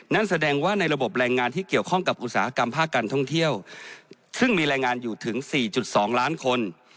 นั่นแสดงว่าในระบบแรงงานที่เกี่ยวข้องกับอุตสาหกรรมภาคการท่องเที่ยวซึ่งมีแรงงานอยู่ถึง๔๒ล้านคน